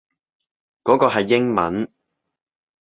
嗰個係英文